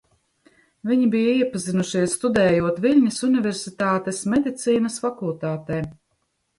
Viņi bija iepazinušies, studējot Viļņas Universitātes Medicīnas fakultātē.